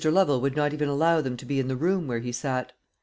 Lovel would not even allow them to be in the room where he sat.